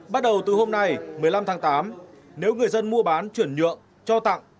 bắt đầu từ hôm nay một mươi năm tháng tám nếu người dân mua bán chuyển nhượng cho tặng